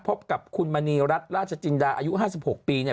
พบกับคุณมณีรัฐราชจินดาอายุ๕๖ปีเนี่ย